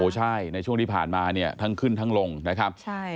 ใช่ในช่วงที่ผ่านมาเนี่ยทั้งขึ้นทั้งลงนะครับ